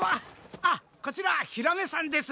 あっこちらヒラメさんです。